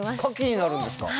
牡蠣になるんですか？